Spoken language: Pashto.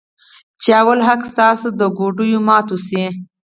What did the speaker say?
چې اول حق ستا د ګوډو ماتو شي.